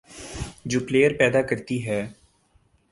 جو پلئیر پیدا کرتی ہے،